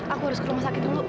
aku harus ke rumah sakit dulu